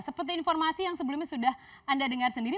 seperti informasi yang sebelumnya sudah anda dengar sendiri